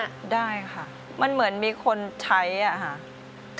ได้ค่ะมันเหมือนมีคนใช้อะค่ะ